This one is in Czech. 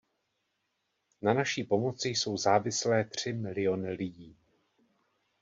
Na naší pomoci jsou závislé tři miliony lidí.